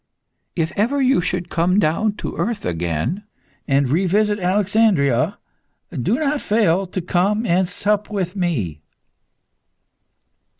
If ever you should come down to earth again, and revisit Alexandria, do not fail to come and sup with me."